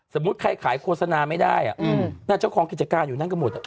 สมมุติใครขายโฆษณาไม่ได้เจ้าของกิจการอยู่นั่นก็หมด